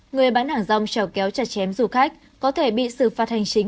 người bán hàng rong chảo kéo chặt chém du khách có thể bị sự phạt hành chính